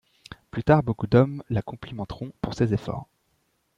Plus tard, beaucoup d'hommes la complimenteront pour ses efforts.